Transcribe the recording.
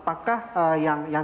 apakah yang lainnya itu